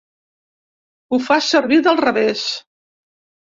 Ho fa servir del revés.